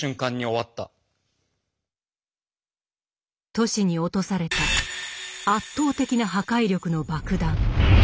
都市に落とされた圧倒的な破壊力の爆弾。